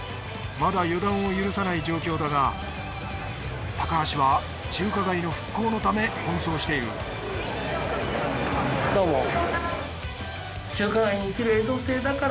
まだ予断を許さない状況だが高橋は中華街の復興のため奔走しているどうも。